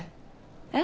えっ？